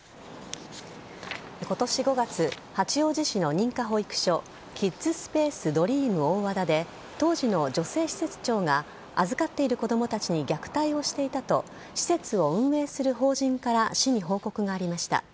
今年５月、八王子市の認可保育所キッズスペースドリーム大和田で当時の女性施設長が預かっている子供たちに虐待をしていたと施設を運営する法人から市に報告がありました。